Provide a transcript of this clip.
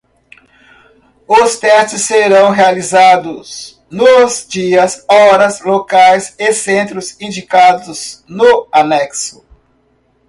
Os testes serão realizados nos dias, horas, locais e centros indicados no anexo.